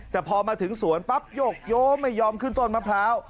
แต่พอมาถึงสวนปั๊บโยกโยมไม่ยอมขึ้นต้นมะพร้าว